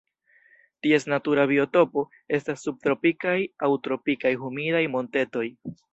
Ties natura biotopo estas subtropikaj aŭ tropikaj humidaj montetoj.